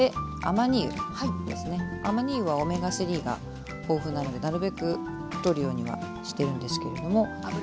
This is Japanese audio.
亜麻仁油はオメガ３が豊富なのでなるべくとるようにはしてるんですけれども。